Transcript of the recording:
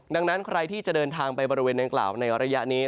ดังนั้นใครที่จะเดินทางไปบริเวณนางกล่าวในระยะนี้